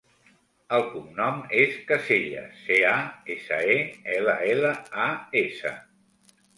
El cognom és Casellas: ce, a, essa, e, ela, ela, a, essa.